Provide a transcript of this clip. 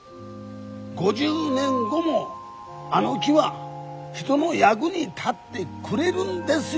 ５０年後もあの木は人の役に立ってくれるんですよ。